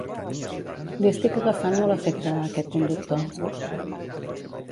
Li estic agafant molt afecte a aquest conductor